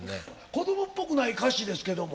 子どもっぽくない歌詞ですけども。